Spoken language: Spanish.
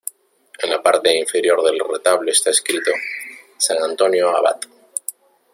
En la parte inferior del retablo está escrito: San Antonio Abad.